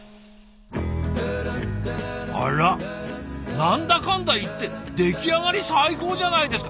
あらなんだかんだ言って出来上がり最高じゃないですか。